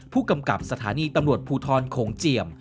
ผู้กำกับสถานีตำรวจภูทรโขงเจียม